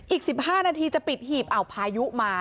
อีก๑๕นาทีจะปิดหีบเอาพายุมา